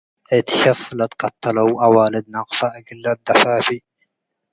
እት ሸፍ ለትቀተለው አዋልድ ነቅፈ እግል ለአደፋፍእ